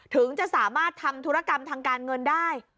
ถึงจะสามารถทำธุรกรรมทางการเงินได้